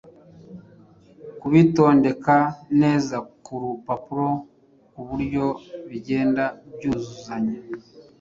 Kubitondeka neza ku rupapuro ku buryo bigenda byuzuzanya.